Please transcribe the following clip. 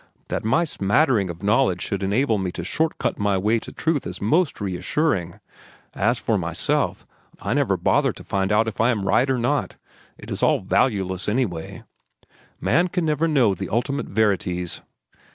"That my smattering of knowledge should enable me to short cut my way to truth is most reassuring. As for myself, I never bother to find out if I am right or not. It is all valueless anyway. Man can never know the ultimate verities."